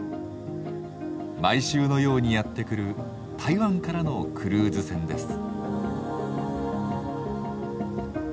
毎週のようにやって来る台湾からのクルーズ船です。